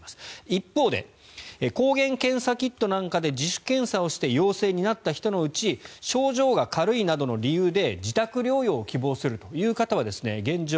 一方で、抗原検査キットなんかで自主検査をして陽性になった人のうち症状が軽いなどの理由で自宅療養を希望するという方は現状